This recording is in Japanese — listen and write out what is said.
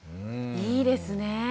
いいですね。